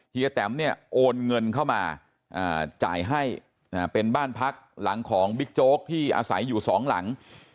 แตมเนี่ยโอนเงินเข้ามาจ่ายให้เป็นบ้านพักหลังของบิ๊กโจ๊กที่อาศัยอยู่สองหลัง